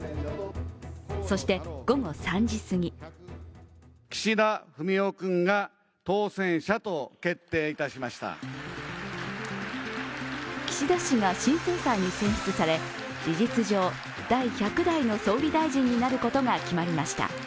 そして、午後３時すぎ岸田氏が新総裁に選出され、事実上、第１００代の総理大臣になることが決まりました。